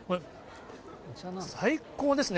最高ですね。